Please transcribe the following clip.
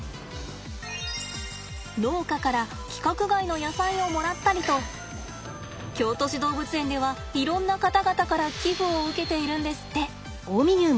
農家から規格外の野菜をもらったりと京都市動物園ではいろんな方々から寄付を受けているんですって。